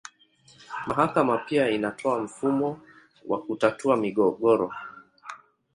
Mahakama pia inatoa mfumo wa kutatua migogoro.